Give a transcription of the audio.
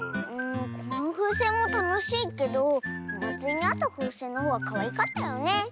このふうせんもたのしいけどおまつりにあったふうせんのほうがかわいかったよね。